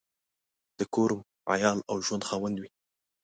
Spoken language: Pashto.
د کور، عیال او ژوند خاوند وي.